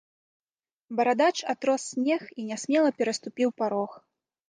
Барадач атрос снег і нясмела пераступіў парог.